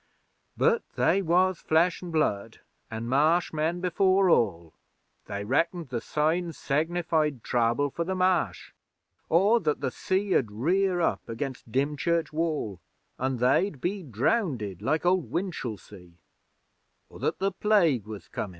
But they was Flesh an' Blood, an' Marsh men before all. They reckoned the signs sinnified trouble for the Marsh. Or that the sea 'ud rear up against Dymchurch Wall an' they'd be drownded like Old Winchelsea; or that the Plague was comin'.